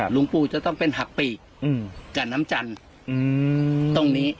หลวงปู่จะต้องเป็นหักปีกกับน้ำจันทร์ตรงนี้